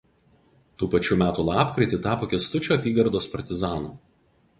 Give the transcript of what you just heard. Tų pačių metų lapkritį tapo Kęstučio apygardos partizanu.